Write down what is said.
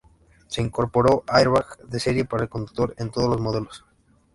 Se incorporó airbag de serie para el conductor en todos los modelos.